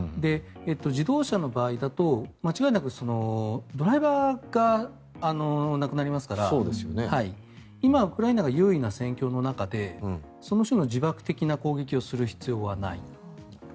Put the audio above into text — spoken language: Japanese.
自動車の場合だと、間違いなくドライバーが亡くなりますから今、ウクライナが優位な戦況の中でその種の自爆的な攻撃をする必要はない。